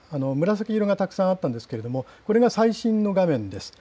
紫色がたくさんあったんですけれども、これが最新の画面です。